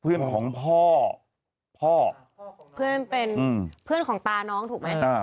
เพื่อนเป็นเพื่อนของตาน้องถูกไหม